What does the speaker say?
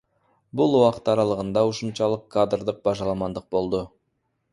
Бул убакыт аралыгында ушунчалык кадрдык башаламандык болду.